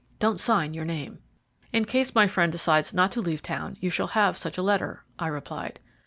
Don't sign your name." "In case my friend decides not to leave town you shall have such a letter," I replied.